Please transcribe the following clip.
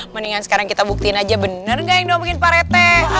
mendingan sekarang kita buktiin aja benar nggak yang diomongin pak rt